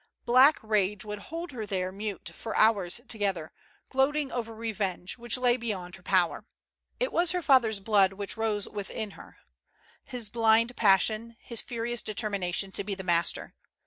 Black rage would hold her there mute for hours together, gloating over revenge, which lay beyond her power. It was her father's blood which rose within her — his blind passion, his furious determination to be the master.